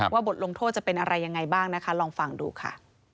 บทลงโทษจะเป็นอะไรยังไงบ้างนะคะลองฟังดูค่ะ